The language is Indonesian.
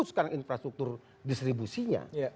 dulu sekarang infrastruktur distribusinya